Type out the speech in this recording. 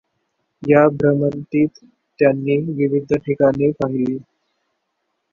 या भ्रमंतीत त्यांनी विविध ठिकाणे पाहिली.